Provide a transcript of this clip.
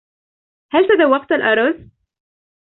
هل تذوقتَ الأرز ؟